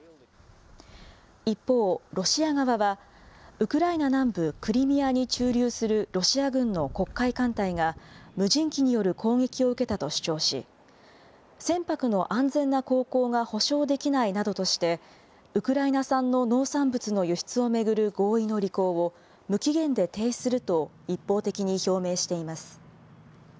一方、ロシア側は、ウクライナ南部クリミアに駐留するロシア軍の黒海艦隊が無人機による攻撃を受けたと主張し、船舶の安全な航行が保証できないなどとして、ウクライナ産の農産物の輸出を巡る合意の履行を、無期限で停止すると一方的に表明しています。